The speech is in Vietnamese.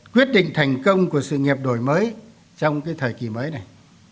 quyết định thành công của sự nghiệp đổi mới trong cái thời kỳ mới này